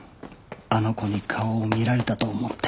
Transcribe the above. あの子に顔を見られたと思って。